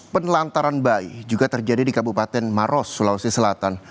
penelantaran bayi juga terjadi di kabupaten maros sulawesi selatan